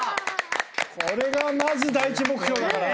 これがまず第一目標だから。